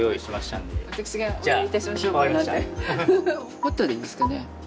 ホットでいいですかね。